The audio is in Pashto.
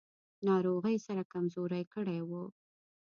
ناروغۍ سره کمزوری کړی و.